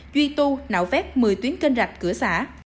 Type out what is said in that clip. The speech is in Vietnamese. duy tu nạo vét một mươi tuyến kênh rạch cửa xã